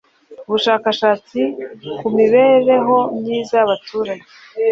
ubushakashatsi ku mibereho myiza ya baturage